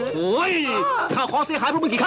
โหยข้าวค้อเสียขายพวกมึงกี่ครั้ง